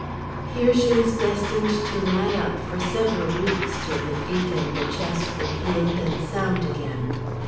Here she was destined to lie up for several weeks till the feet and the chest were healed and sound again.